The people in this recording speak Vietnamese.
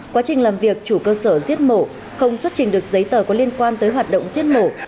quá trình làm việc chủ cơ sở giết mổ không xuất trình được giấy tờ có liên quan tới hoạt động giết mổ